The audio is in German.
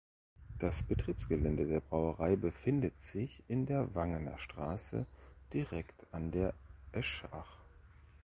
Das Betriebsgelände der Brauerei befindet sich in der Wangener Straße, direkt an der Eschach.